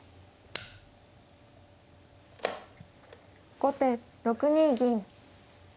後手６二銀。